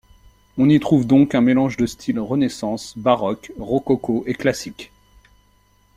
On y trouve donc un mélange de styles Renaissance, Baroque, Rococo et Classique.